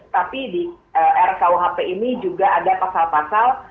tapi di rkuhp ini juga ada pasal pasal